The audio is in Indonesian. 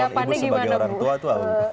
resmong ibu sebagai orang tua tuh apa